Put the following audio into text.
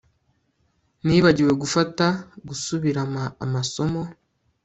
Nibagiwe gufata gusubirama amasomo